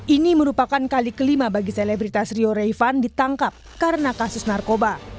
ini merupakan kali kelima bagi selebritas rio raivan ditangkap karena kasus narkoba